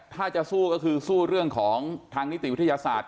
ถ้าจะสู้ก็คือสู้เรื่องของทางนิติวิทยาศาสตร์